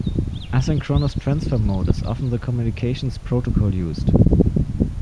Asynchronous Transfer Mode is often the communications protocol used.